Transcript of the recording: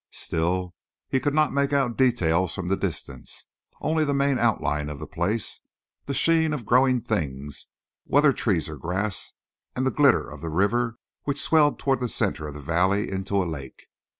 Still, he could not make out details from the distance, only the main outline of the place, the sheen of growing things, whether trees or grass, and the glitter of the river which swelled toward the center of the valley into a lake.